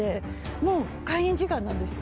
もう開演時間なんですよ。